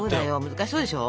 難しそうでしょ？